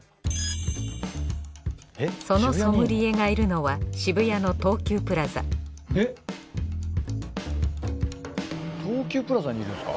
そのソムリエがいるのは渋谷の東急プラザ東急プラザにいるんすか？